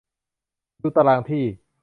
ดูตารางที่